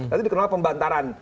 nanti dikenal pembantaran